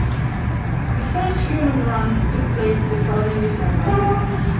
The first human run took place the following December.